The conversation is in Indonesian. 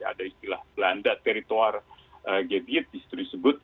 ada istilah belanda teritori gebiat disitu disebut